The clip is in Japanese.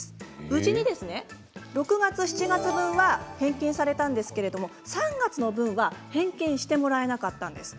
無事に６月と７月分は返金されたんですけれども３月の分は返金してもらえなかったんです。